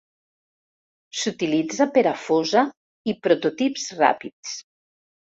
S'utilitza per a fosa i prototips ràpids.